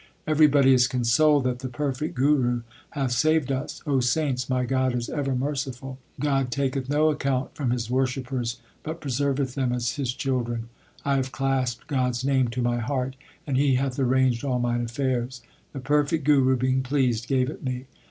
Everybody is consoled That the perfect Guru hath saved us. saints, my God is ever merciful. God taketh no account from His worshippers, but pre serveth them as His children. 1 have clasped God s name to my heart, And He hath arranged all mine affairs. The perfect Guru being pleased gave it me.